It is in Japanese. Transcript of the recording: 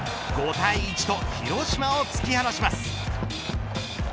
５対１と広島を突き放します。